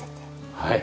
はい。